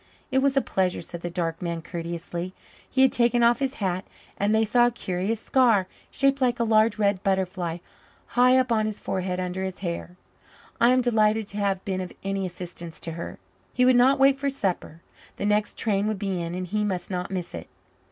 "It was a pleasure," said the dark man courteously. He had taken off his hat, and they saw a curious scar, shaped like a large, red butterfly, high up on his forehead under his hair. "I am delighted to have been of any assistance to her." He would not wait for supper the next train would be in and he must not miss it.